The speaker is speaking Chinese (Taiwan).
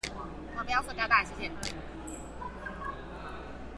我不用塑膠袋，謝謝